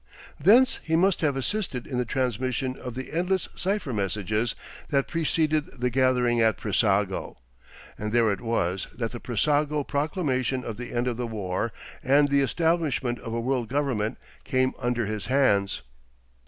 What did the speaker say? Thence he must have assisted in the transmission of the endless cipher messages that preceded the gathering at Brissago, and there it was that the Brissago proclamation of the end of the war and the establishment of a world government came under his hands.